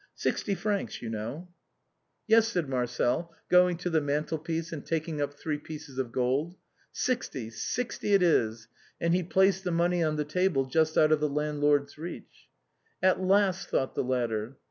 Sixty francs, you know." 266 THE BOHEMIANS OF THE LATIN QUARTER. " Yes," said Marcel, going to the mantel piece and taking up three pieces of gold. "Sixty, sixty it is," and he placed the money on the table just out of the landlord's reach. " At last," thought the latter.